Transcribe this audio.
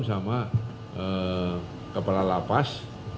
sama kepala lapas